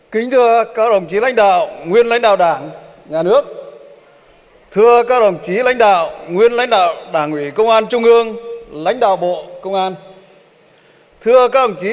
xin trân trọng kính mời đồng chí